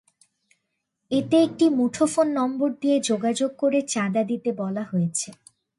এতে একটি মুঠোফোন নম্বর দিয়ে যোগাযোগ করে চাঁদা দিতে বলা হয়েছে।